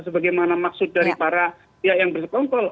sebagaimana maksud dari para pihak yang bersekongkol